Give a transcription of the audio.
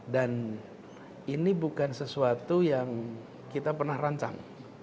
dan ini bukan sesuatu yang kita pernah rancang